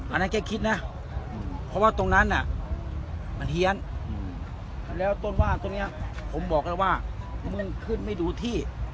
อันนั้นแกคิดนะเพราะว่าตรงนั้นน่ะมันเฮียนแล้วต้นว่านตรงนี้ผมบอกแล้วว่ามึงขึ้นไม่ดูที่